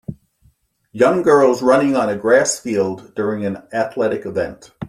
Young girls running on a grass field during an athletic event.